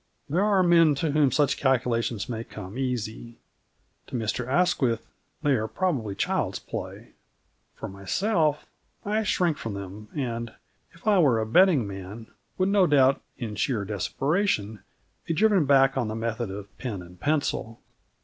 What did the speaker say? There are men to whom such calculations may come easy. To Mr Asquith they are probably child's play. For myself, I shrink from them and, if I were a betting man, would no doubt in sheer desperation be driven back on the method of pin and pencil.